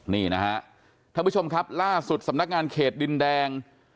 นี่นะฮะท่านผู้ชมครับล่าสุดสำนักงานเขตดินแดง